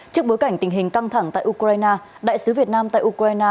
trước bối cảnh tình hình căng thẳng tại ukraine đại sứ việt nam tại ukraine